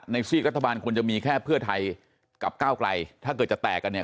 ซีกรัฐบาลควรจะมีแค่เพื่อไทยกับก้าวไกลถ้าเกิดจะแตกกันเนี่ย